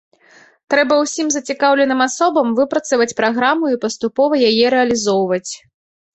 Трэба ўсім зацікаўленым асобам выпрацаваць праграму і паступова яе рэалізоўваць.